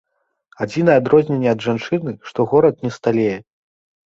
Адзінае адрозненне ад жанчыны, што горад не сталее.